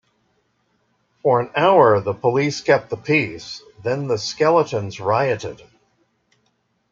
For an hour the police kept the peace, then the Skeletons rioted.